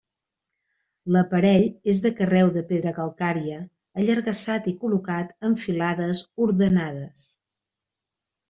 L'aparell és de carreu de pedra calcària allargassat i col·locat en filades ordenades.